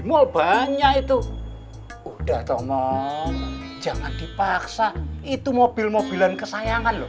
mal banyak itu udah tolong jangan dipaksa itu mobil mobilan kesayangan loh